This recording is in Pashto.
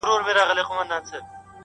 نه یې حال نه یې راتلونکی معلومېږي٫